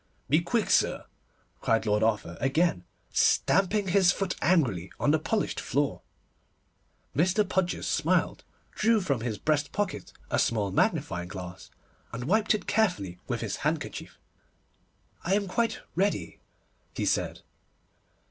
'Be quick, sir,' cried Lord Arthur again, stamping his foot angrily on the polished floor. Mr. Podgers smiled, drew from his breast pocket a small magnifying glass, and wiped it carefully with his handkerchief. 'I am quite ready,' he said.